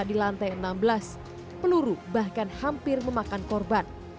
di lantai enam belas peluru bahkan hampir memakan korban